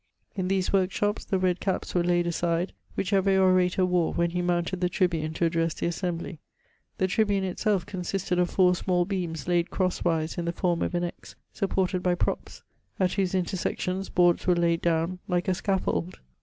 In these workshops the red caps were laid aside, which every orator wore when he moimted the tribime to address the assembly. The tribime itself consisted of four small beams laid crosswise in the form of an X, supported by props, at whose iutersections boards were laid down, like a scaffold.